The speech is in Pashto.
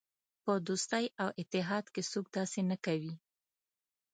په دوستۍ او اتحاد کې څوک داسې نه کوي.